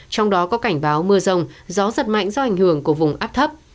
trong đó có cảnh báo mưa rông gió giật mạnh do ảnh hưởng của vùng áp thấp